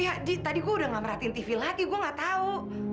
ya dik tadi gue udah gak meratiin tv lagi gue gak tahu